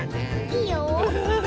いいよ。